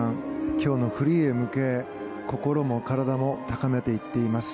今日のフリーへ向け心も体も高めていっています。